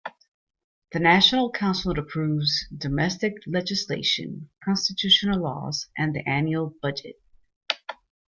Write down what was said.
The National Council approves domestic legislation, constitutional laws, and the annual budget.